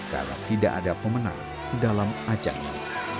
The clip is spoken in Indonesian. karena tidak ada pemenang di dalam acara ini